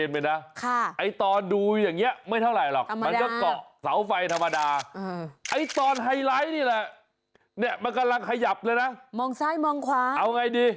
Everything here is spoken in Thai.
นี่แหละเนี้ยมันกำลังขยับเลยน่ะมองซ้ายมองขวางเอาไงดี